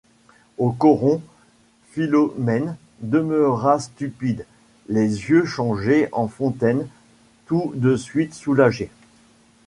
Au coron, Philomène demeura stupide, les yeux changés en fontaines, tout de suite soulagée.